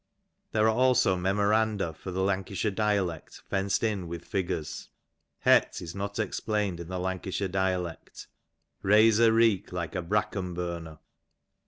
There are also memoranda for the Lancashire dialect fenced in with figures: Het is not explained in the Lancashire dialect, Raise a reek like a bracken burner.